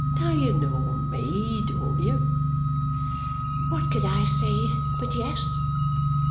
Now you know me, don't you?" What could I say but yes!